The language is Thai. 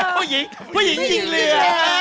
พ่อหญิงพ่อหญิงยิงเรือ